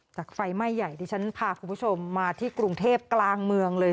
ไฟไหม้ใหญ่ที่ฉันพาคุณผู้ชมมาที่กรุงเทพกลางเมืองเลย